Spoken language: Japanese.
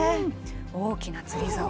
大きな釣りざお。